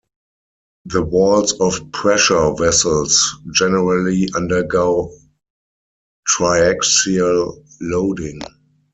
The walls of pressure vessels generally undergo triaxial loading.